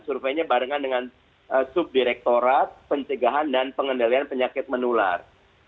surveinya barengan dengan subdirektorat pencegahan dan pengendalian penyakit menular